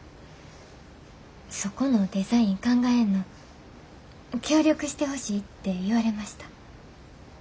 そこのデザイン考えんの協力してほしいって言われました。